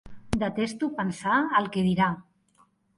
Detesto pensar el què dirà!